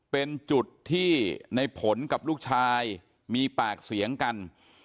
เป็นจุดที่ในผลกับลูกชายมีปากเสียงกัน